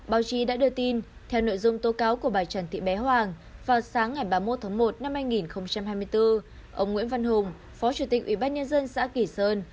vào sáng ngày ba mươi một tháng một năm hai nghìn hai mươi bốn ông nguyễn văn hùng phó chủ tịch ubnd xã kỷ sơn